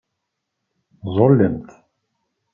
Teẓẓullemt.